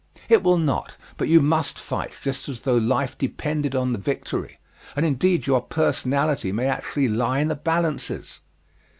It will not, but you must fight just as though life depended on the victory; and indeed your personality may actually lie in the balances!